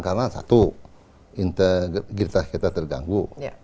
karena satu integritas kita terganggu